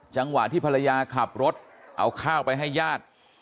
จังหวะที่ภรรยาขับรถเอาข้าวไปให้ญาติ